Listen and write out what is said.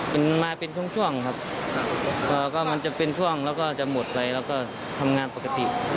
เป็นมาเป็นช่วงครับก็มันจะเป็นช่วงแล้วก็จะหมดไปแล้วก็ทำงานปกติ